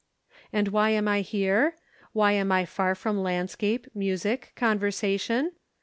And why am I here? Why am I far from landscape, music, conversation?